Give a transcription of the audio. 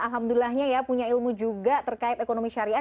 alhamdulillah punya ilmu juga terkait ekonomi syarikat